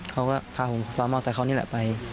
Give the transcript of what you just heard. เขาก็พาผมซ้อนมอเซเขานี่แหละไป